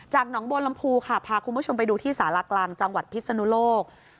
หนองบัวลำพูค่ะพาคุณผู้ชมไปดูที่สารากลางจังหวัดพิศนุโลก